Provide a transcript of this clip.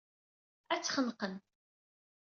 Ad tt-xenqen.